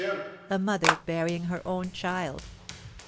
A mother burying her own child!